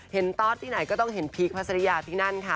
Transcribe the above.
เห็นท็อตที่ไหนก็ต้องเห็นพีคพระศริยะที่นั่นค่ะ